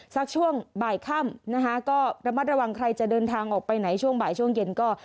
สักช่วงบ่ายค่ำนะคะก็ระมัดระวังใครจะเดินทางออกไปไหนช่วงบ่ายช่วงเย็นก็